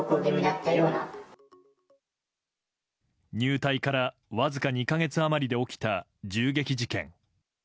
入隊から、わずか２か月余りで起きた銃撃事件。